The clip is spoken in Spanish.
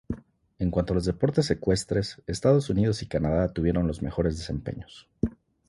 En cuanto a los deportes ecuestres, Estados Unidos y Canadá tuvieron los mejores desempeños.